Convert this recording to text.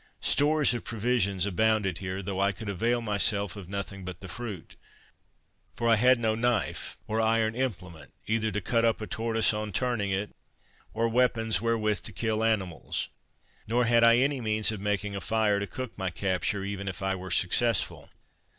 Stores of provisions abounded here, though I could avail myself of nothing but the fruit; for I had no knife or iron implement, either to cut up a tortoise on turning it, or weapons wherewith to kill animals; nor had I any means of making a fire to cook my capture, even if I were successful.